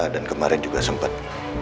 dan kemarin juga sempat